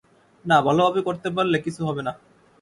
না, ভালোভাবে করতে পারলে কিছু হবে না।